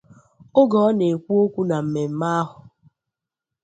Oge ọ na-ekwu okwu na mmemme ahụ